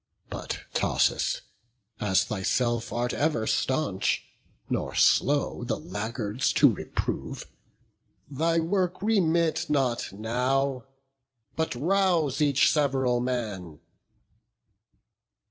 But, Thoas, as thyself art ever staunch, Nor slow the laggards to reprove, thy work Remit not now; but rouse each sev'ral man."